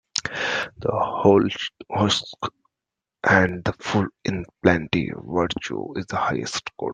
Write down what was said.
The hull husk and the full in plenty Virtue is the highest good